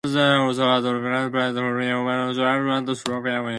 Almondvale also has a red blaze pitch and fully operational under-soil heating.